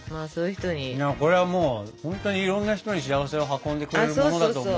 これはもうほんとにいろんな人に幸せを運んでくれるものだと思う。